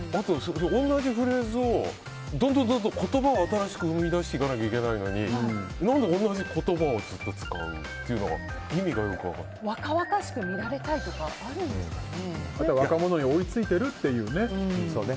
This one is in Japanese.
同じフレーズをどんどん言葉を新しく生み出していかなきゃいけないのに何で同じ言葉をずっと使うっていうのが若々しく見られたいとか若者に追いついてるっていう。